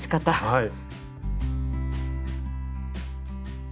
はい。